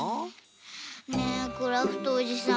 ねえクラフトおじさん。